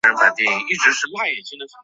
该府第占地面积约两千平方米。